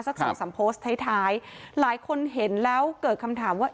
สัก๓๓โพสต์ท้ายหลายคนเห็นแล้วเกิดคำถามว่า